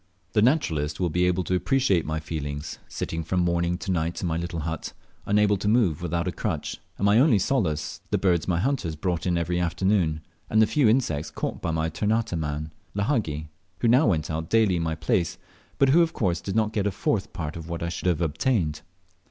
The naturalist will be able to appreciate my feelings, sitting from morning to night in my little hut, unable to move without a crutch, and my only solace the birds my hunters brought in every afternoon, and the few insects caught by my Ternate man, Lahagi, who now went out daily in my place, but who of course did not get a fourth part of what I should have obtained.